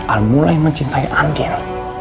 al mulai mencintai andin